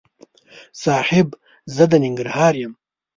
صاحب! زه د ننګرهار یم.